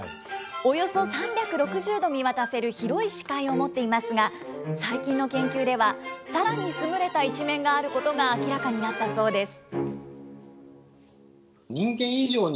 およそ３６０度見渡せる広い視界を持っていますが、最近の研究では、さらに優れた一面があることが明らかになったそうです。